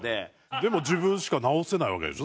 でも自分しか直せないわけでしょ？